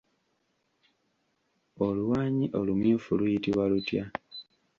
Oluwaanyi olumyufu luyitibwa lutya?